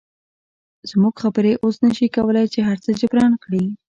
زموږ خبرې اوس نشي کولی چې هرڅه جبران کړي